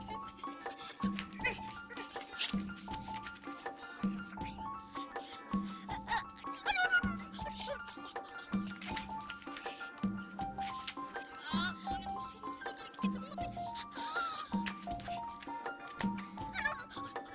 seperti ketika aku masih dekat denganmu mas